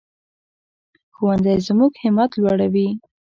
ښوونځی زموږ همت لوړوي